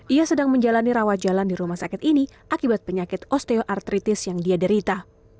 ia sedang menjalani rawat jalan di rumah sakit ini akibat penyakit osteoartritis yang dia derita